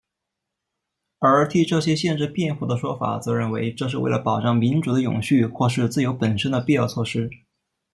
而替这些限制辩护的说法则认为这是为了保障民主的永续或是自由本身的必要措施。